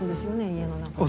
家の中で。